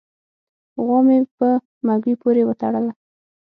غوا مې په مږوي پورې و تړله